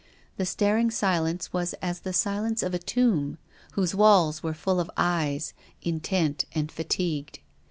The staring silence was as the silence of a tomb, whose walls were full of eyes, intent and fatigued.